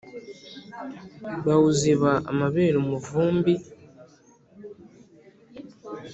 bawuziba amabere umuvumbi